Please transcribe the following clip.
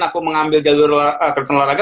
aku mengambil jalur kersen olahraga